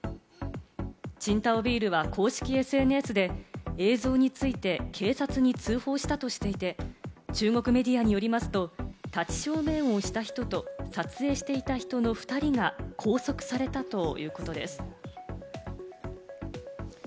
青島ビールは公式ＳＮＳで映像について警察に通報したとしていて、中国メディアによりますと、立ち小便をした人と撮影していた人の２人が拘束されたということです。